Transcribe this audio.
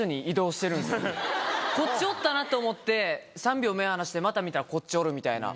こっちおったなと思って３秒目を離してまた見たらこっちおるみたいな。